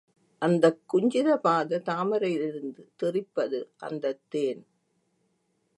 அந்தக் குஞ்சித பாத தாமரையிலிருந்து தெறிப்பது அந்தத் தேன்.